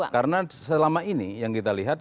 karena selama ini yang kita lihat